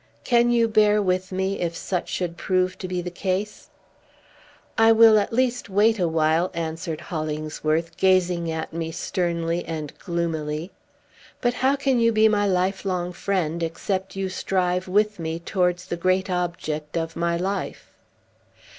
Can you bear with me, if such should prove to be the case?" "I will at least wait awhile," answered Hollingsworth, gazing at me sternly and gloomily. "But how can you be my life long friend, except you strive with me towards the great object of my life?"